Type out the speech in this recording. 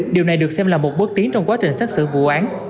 điều này được xem là một bước tiến trong quá trình xác xử vụ án